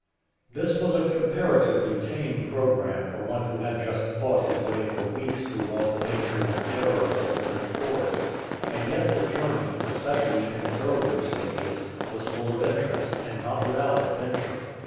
This was a comparatively tame programme for one who had juijt fought his way for weeks through all the dangers and terrors of the Great Forest ; and yet the journey, especially in its earlier stages, was full of interest, and not without adventure.